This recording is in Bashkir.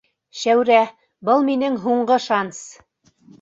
Шәүрә, был минең һуңғы шанс!